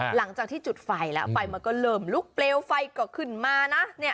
หลังจากที่จุดไฟแล้วไฟมันก็เริ่มลุกเปลวไฟก็ขึ้นมานะ